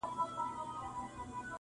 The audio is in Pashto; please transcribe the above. چي ناڅاپه د خوني زمري غړومبی سو -